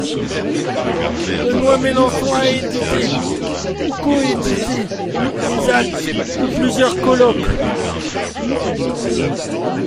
Benoît Melançon a édité ou coédité les Actes de plusieurs colloques.